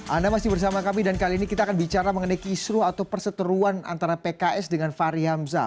anda masih bersama kami dan kali ini kita akan bicara mengenai kisru atau perseteruan antara pks dengan fahri hamzah